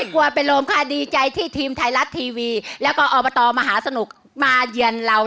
กลัวเป็นลมค่ะดีใจที่ทีมไทยรัฐทีวีแล้วก็อบตมหาสนุกมาเยือนเรา